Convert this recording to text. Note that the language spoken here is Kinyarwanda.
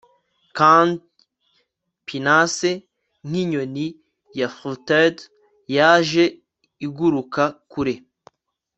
Kandi pinnace nkinyoni ya flutterd yaje iguruka kure